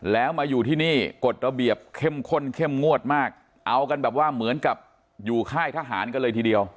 แล้วมาอยู่ที่นี่กฎระเบียบเข้มข้นเข้มงวดมากเอากันแบบว่าเหมือนกับอยู่ค่ายทหารกันเลยทีเดียว